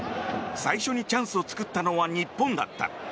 最初にチャンスを作ったのは日本だった。